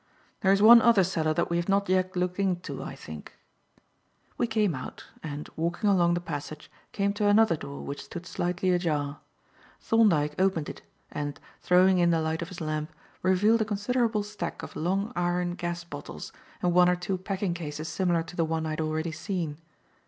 There is one other cellar that we have not yet looked into, I think." We came out, and, walking along the passage, came to another door which stood slightly ajar. Thorndyke opened it, and, throwing in the light of his lamp, revealed a considerable stack of long iron gas bottles, and one or two packing cases similar to the one I had already seen.